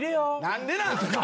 何でなんすか！